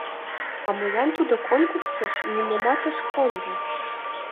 А молан тудо конкурсыш нимомат ыш кондо?